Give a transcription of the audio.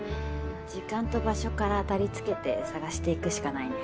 時間と場所からあたりつけて探していくしかないね。